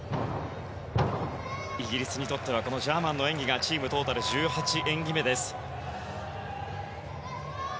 イギリスにとってはジャーマンの演技がチームトータル１８演技目です。